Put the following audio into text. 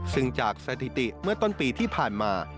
ซึ่งจากสถิติเมื่อต้นปีที่ผ่านมา